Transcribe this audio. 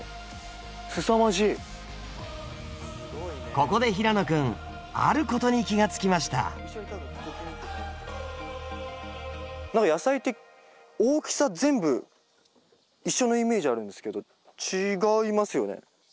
ここで平野君あることに気がつきました何か野菜って大きさ全部一緒のイメージあるんですけど違いますよね。